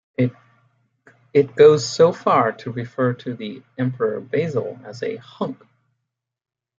It goes so far to refer to the emperor Basil as a 'hunk'.